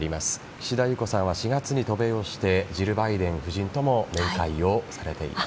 岸田裕子さんは４月に渡米をしてジル・バイデン夫人とも面会をされています。